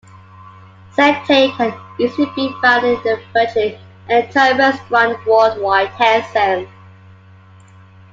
Satay can easily be found in virtually any Thai restaurant worldwide.